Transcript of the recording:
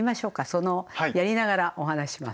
そのやりながらお話しします。